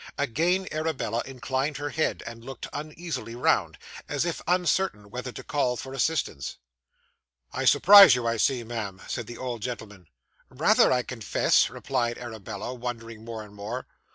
Again Arabella inclined her head, and looked uneasily round, as if uncertain whether to call for assistance. 'I surprise you, I see, ma'am,' said the old gentleman. 'Rather, I confess,' replied Arabella, wondering more and more.